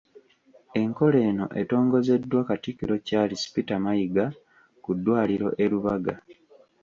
Enkola eno entogozeddwa Katikkiro Charles Peter Mayiga ku ddwaliro e Lubaga.